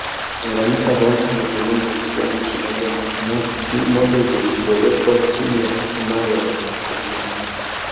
Tanganyika Rwanda na Burundi zikawa nchi moja zilizowekwa chini ya himaya ya Wajerumani